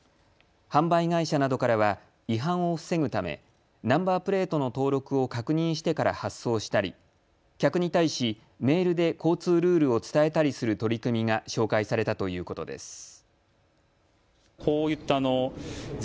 販売会社などからは違反を防ぐためナンバープレートの登録を確認してから発送したり客に対し、メールで交通ルールを伝えたりする取り組みが紹介されたということです。